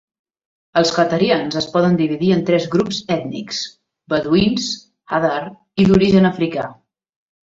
Els qatarians es pot dividir en tres grups ètnics: beduïns, hadar i d'origen africà.